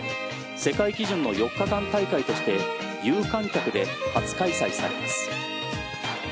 世界基準の４日間大会として有観客で初開催されます。